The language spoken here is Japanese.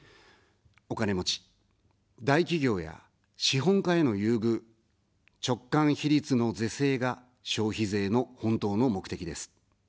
お金持ち、大企業や資本家への優遇、直間比率の是正が消費税の本当の目的です。